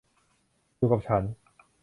อยู่กับฉัน